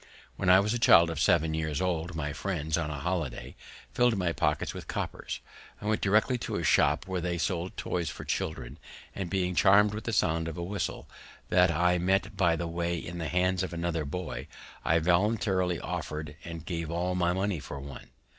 When I was a child of seven year old, my friends, on a holiday, filled my pocket with coppers. I went directly to a shop where they sold toys for children; and being charmed with the sound of a whistle, that I met by the way in the hands of another boy, I voluntarily offered and gave all my money for one.